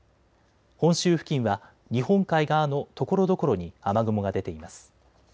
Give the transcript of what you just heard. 本州付近は日本海側のところどころに雨雲が出ています。